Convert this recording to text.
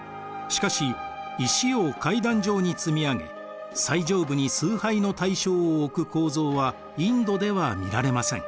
しかし石を階段状に積み上げ最上部に崇拝の対象を置く構造はインドでは見られません。